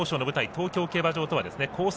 東京競馬場とはコース